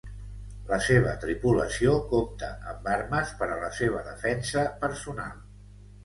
La seva tripulació compta amb armes per a la seva defensa personal.